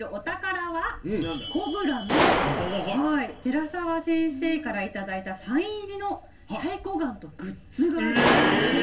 『コブラ』の寺沢先生から頂いたサイン入りのサイコガンとグッズがあるそうです。